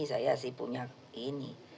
saya sih punya ini